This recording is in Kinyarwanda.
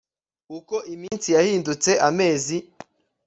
uko iminsi yahindutse amezi